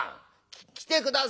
来て下さいよ。